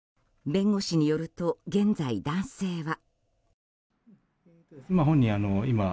弁護士によると現在、男性は。